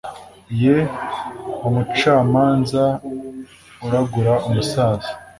ye umucamanza uragura umusaza